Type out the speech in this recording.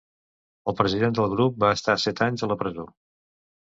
El president del grup va estar set anys a la presó.